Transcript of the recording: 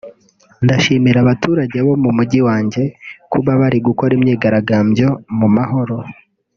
ndashimira abaturage bo mu mujyi wanjye kuba bari gukora imyigaragambyo mu mahoro